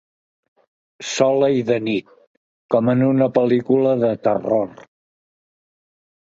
Sola i de nit, com en una pel·lícula de terror.